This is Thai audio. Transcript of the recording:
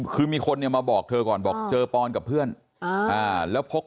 คือมีคนมาบอกครับเจอปอนด์กับเพื่อนแล้วพก